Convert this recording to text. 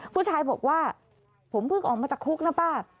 ผู้ชายบอกว่าผมเพิ่งออกมาจากคุกนะป้า